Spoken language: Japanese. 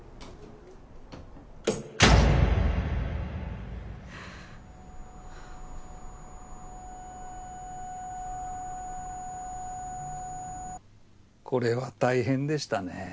バタンこれは大変でしたね。